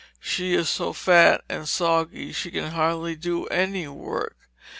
She is so fatt and soggy shee can hardly doe any work.